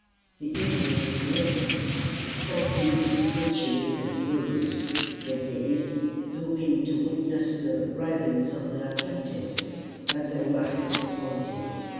The Indians listened, expecting the screeches and groans; they gazed, hoping to witness the writhings of their captive. But they were disappointed.